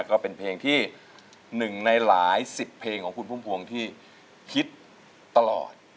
ก็เป็นเพลงที่๑ในหลายสิบเพลงของคุณพุ่มพวงที่คิดตลอด